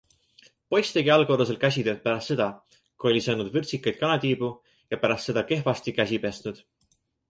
Poiss tegi allkorrusel käsitööd pärast seda, kui oli söönud vürtsikaid kanatiibu ja pärast seda kehvasti käsi pesnud.